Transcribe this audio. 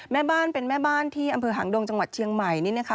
แม่บ้านเป็นแม่บ้านที่อำเภอหางดงจังหวัดเชียงใหม่นี่นะคะ